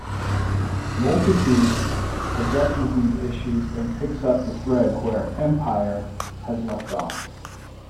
"Multitude" addresses these issues and picks up the thread where "Empire" has left off.